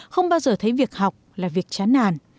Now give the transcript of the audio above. không bao giờ thấy việc học là việc chán nàn